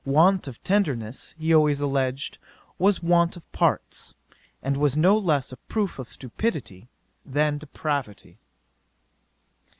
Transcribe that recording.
Want of tenderness, he always alledged, was want of parts, and was no less a proof of stupidity than depravity.